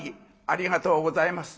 「ありがとうございます。